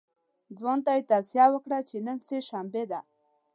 ځوان ته یې توصیه وکړه چې نن سه شنبه ده.